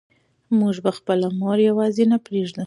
موږ به خپله مور یوازې نه پرېږدو.